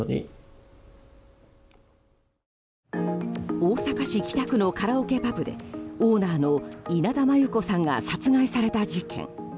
大阪市北区のカラオケパブでオーナーの稲田真優子さんが殺害された事件。